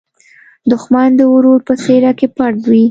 دښمن د ورور په څېره کې پټ وي